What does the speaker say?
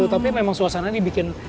tapi memang suasana dibikin